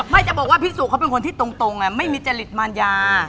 ไม่จะบอกว่าพี่สุเขาเป็นคนที่ตรงไม่มีจริตมารยา